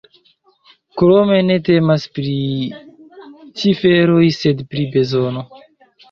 Krome ne temas pri ciferoj, sed pri bezono.